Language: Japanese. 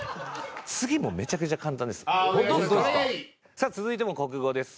さあ続いても国語です。